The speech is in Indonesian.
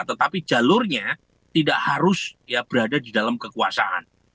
tetapi jalurnya tidak harus berada di dalam kekuasaan